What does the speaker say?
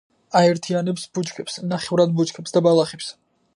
აერთიანებს ბუჩქებს, ნახევრად ბუჩქებს და ბალახებს.